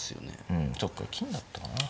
うんそっか金だったかな。